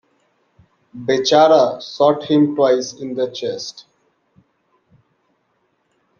Bechara shot him twice in the chest.